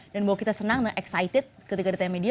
dan bahwa kita senang dan excited ketika di tma dia